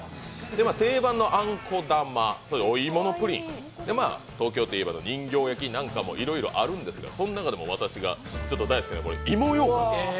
定番のあんこ玉、お芋のプリン、東京といえばの人形焼なんかもいろいろあるんですけどこの中でも私が大好きなのは芋ようかん。